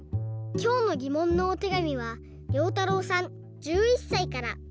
きょうのぎもんのおてがみはりょうたろうさん１１さいから。